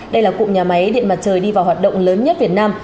đây là cụm nhà máy điện mặt trời đi vào hoạt động lớn nhất việt nam